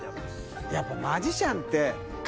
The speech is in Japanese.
やっぱマジシャンって。